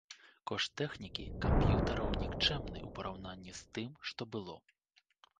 Кошт тэхнікі, камп'ютараў нікчэмны ў параўнанні з тым, што было.